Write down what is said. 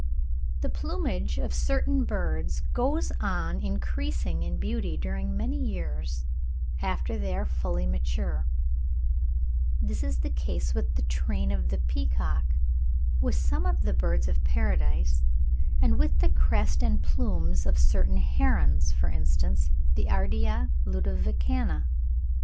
The plumage of certain birds goes on increasing in beauty during many years after they are fully mature; this is the case with the train of the peacock, with some of the birds of paradise, and with the crest and plumes of certain herons, for instance, the Ardea ludovicana.